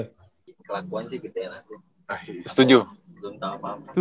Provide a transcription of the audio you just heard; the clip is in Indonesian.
kelakuan sih gtn aku